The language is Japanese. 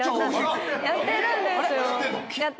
やってるんですよ。